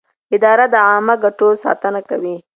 اداره د عامه ګټو ساتنه کوي.